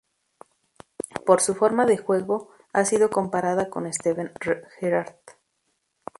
Por su forma de juego, ha sido comparado con Steven Gerrard.